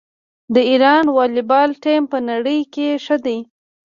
د ایران والیبال ټیم په نړۍ کې ښه دی.